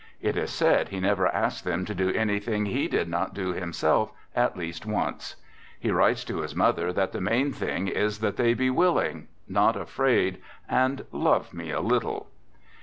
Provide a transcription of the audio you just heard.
It is said he never asked them to do anything he did not do himself " at least once." He writes to his mother that the main thing is that they be willing, not afraid, and " love me a little."